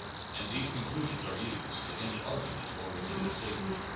And these conclusions are used to end an argument or refute a statement.